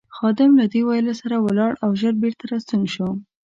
خادم له دې ویلو سره ولاړ او ژر بېرته راستون شو.